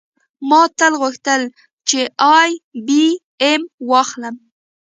ما تل غوښتل چې آی بي ایم واخلم